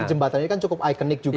jembatan ini kan cukup ikonik juga